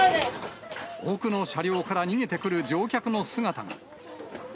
奥の車両から逃げてくる乗客の姿が。